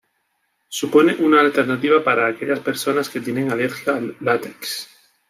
Supone una alternativa para aquellas personas que tienen alergia al látex.